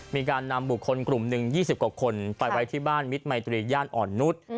มีการนำบุคคลกลุ่มหนึ่ง๒๐กว่าคนไปไว้ที่บ้านมิตรมัยตรีย่านอ่อนนุษย์